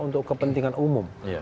untuk kepentingan umum